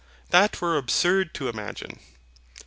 That were absurd to imagine.